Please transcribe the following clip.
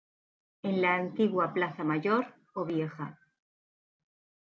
En la antigua Plaza Mayor o Vieja.